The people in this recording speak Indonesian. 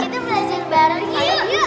kita belajar bareng yuk yuk yuk